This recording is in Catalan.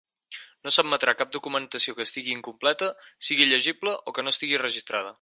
No s'admetrà cap documentació que estigui incompleta, sigui il·legible o que no estigui registrada.